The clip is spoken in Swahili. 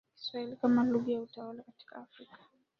Kiswahili kama lugha ya utawala katika Afrika